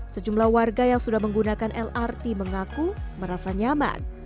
sejumlah warga yang sudah menggunakan lrt mengaku merasa nyaman